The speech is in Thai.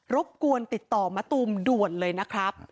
บกวนติดต่อมะตูมด่วนเลยนะครับ